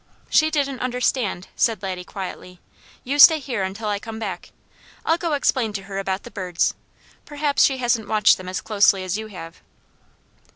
"She didn't understand," said Laddie quietly. "You stay here until I come back. I'll go explain to her about the birds. Perhaps she hasn't watched them as closely as you have."